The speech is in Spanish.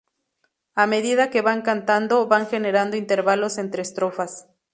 A medida que van cantando, van generando intervalos entre estrofas.